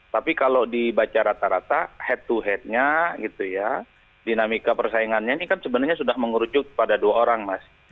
tapi kalau dibaca rata rata head to headnya gitu ya dinamika persaingannya ini kan sebenarnya sudah mengerucut pada dua orang mas